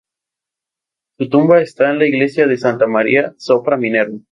Su tumba está en la iglesia de Santa Maria sopra Minerva.